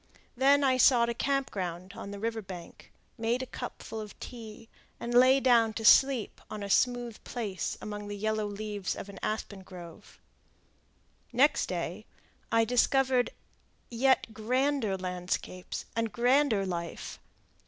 Then I sought a camp ground on the river bank, made a cupful of tea, and lay down to sleep on a smooth place among the yellow leaves of an aspen grove. Next day I discovered yet grander landscapes and grander life.